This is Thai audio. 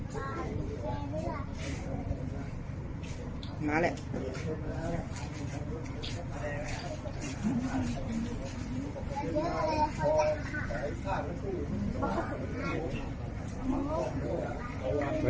มักเบ็ดเต็มชอบทุกวัน